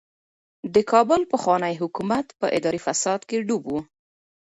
د کابل پخوانی حکومت په اداري فساد کې ډوب و.